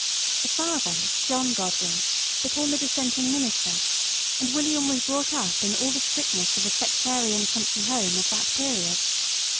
The father, John Godwin, became a dissenting minister, and William was brought up in all the strictness of a sectarian country home of that period.